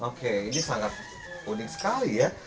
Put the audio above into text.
oke ini sangat unik sekali ya